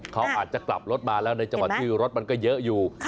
เขาอาจจะกลับรถมาแล้วในจังหวะที่รถมันก็เยอะอยู่